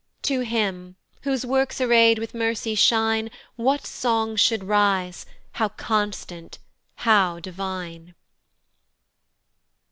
To him, whose works arry'd with mercy shine, What songs should rise, how constant, how divine!